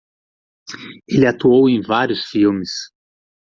Ele atuou em vários filmes.